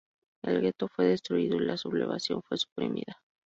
El ghetto fue destruido y la sublevación fue suprimida.